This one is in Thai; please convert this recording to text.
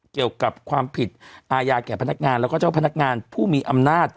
เกี่ยวกับความผิดอาญาแก่พนักงานแล้วก็เจ้าพนักงานผู้มีอำนาจ